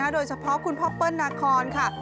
โดยเฉพาะคุณพ่อเปิ้ลนาคอนค่ะ